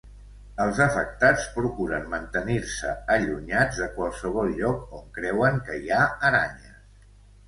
Els afectats procuren mantenir-se allunyats de qualsevol lloc on creuen que hi ha aranyes.